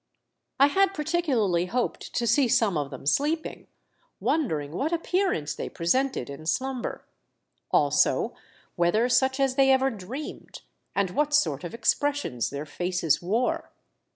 I had particularly hoped to see some of them sleeping, wondering what appearance they presented in slumber ; also whether such as they ever dreamed, and v/hat sort of ex pressions their faces wore.